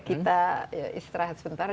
kita istirahat sebentar